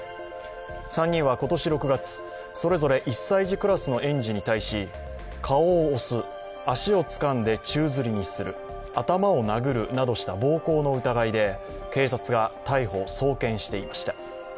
３人は今年６月、それぞれ１歳児クラスの園児に対し顔を押す、足をつかんで宙づりにする、頭を殴るなどした暴行の疑いで警察が逮捕・送検していました。